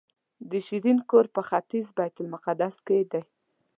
د شیرین کور په ختیځ بیت المقدس کې دی.